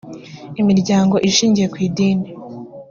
imiryango ishingiye ku idini